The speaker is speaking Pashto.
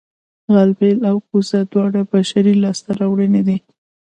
غلبېل او کوزه دواړه بشري لاسته راوړنې دي